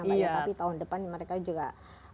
tapi tahun depan mereka juga